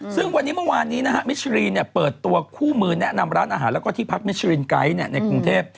ซึ่งวันนี้เมื่อวานนี้นะฮะมิชรีเปิดตัวคู่มือแนะนำร้านอาหารแล้วก็ที่พักมิชรินไกด์ในกรุงเทพ